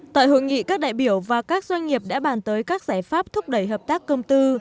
tại hội nghị các đại biểu và các doanh nghiệp đã bàn tới các giải pháp thúc đẩy hợp tác công tư